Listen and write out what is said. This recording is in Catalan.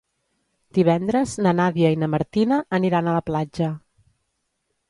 Divendres na Nàdia i na Martina aniran a la platja.